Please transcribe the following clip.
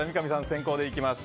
先攻でいきます。